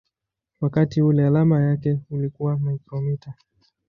wakati ule alama yake ilikuwa µµ.